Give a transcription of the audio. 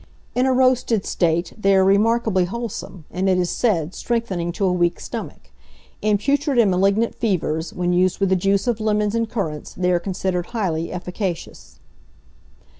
In a roasted state they are remarkably wholesome, and, it is said, strengthening to a weak stomach. In putrid and malignant fevers, when used with the juice of lemons and currants, they are considered highly efficacious.